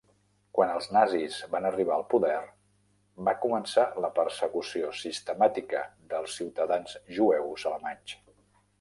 Quan els nazis van arribar al poder, va començar la persecució sistemàtica dels ciutadans jueus alemanys.